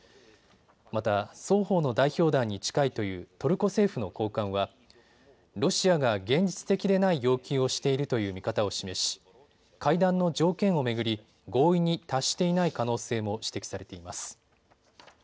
また双方の代表団に近いというトルコ政府の高官はロシアが現実的でない要求をしているという見方を示し会談の条件を巡り合意に達していない可能性も指摘されています。